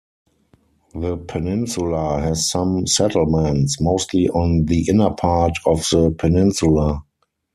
The peninsula has some settlements, mostly on the inner part of the peninsula.